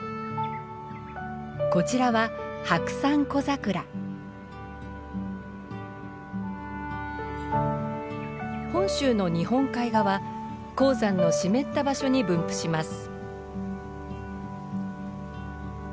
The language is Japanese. こちらは本州の日本海側高山の湿った場所に分布します。